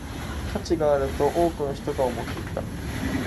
価値があると多くの人が思っていた